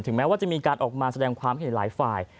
แม้ว่าจะมีการออกมาแสดงความเห็นหลายฝ่าย